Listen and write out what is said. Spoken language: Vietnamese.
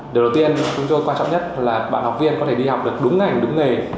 điều đầu tiên chúng tôi quan trọng nhất là bạn học viên có thể đi học được đúng ngành đúng nghề